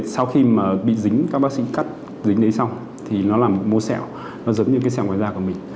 sau khi mà bị dính các bác sĩ cắt dính đấy xong thì nó là một mô sẹo nó giống như cái sẹo ngoài da của mình